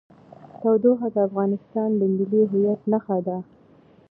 تودوخه د افغانستان د ملي هویت نښه ده.